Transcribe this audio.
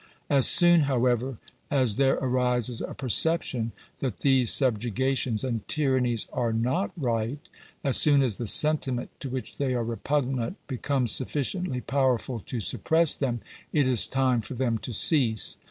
As soon, however, as there arises a perception that these subjugations and tyrannies are not right — as soon as the sentiment to which they are repugnant becomes sufficiently "E E Digitized by VjOOQIC 418 GENERAL CONSIDERATIONS. .powerful to suppress them, it is time for them to cease.